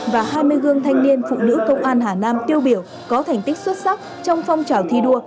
và hai mươi gương thanh niên phụ nữ công an hà nam tiêu biểu có thành tích xuất sắc trong phong trào thi đua